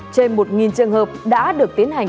trên một trường hợp đã được tiến hành